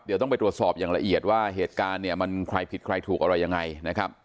เดี๋ยวต้องไปตรวจสอบอย่างละเอียดว่าเหตุการณ์เนี่ยมันใครผิดใครถูกอะไรยังไงนะครับ